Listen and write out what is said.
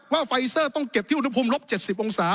ไฟเซอร์ต้องเก็บที่อุณหภูมิลบ๗๐องศา